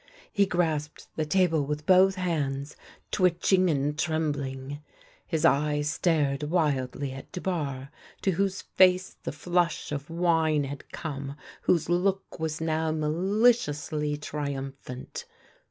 He grasped the table with both hands, twitching and trembling. His eyes stared wildly at Dubane, to whose face the flush of wine had come, whose look was now mali ciously triumphant.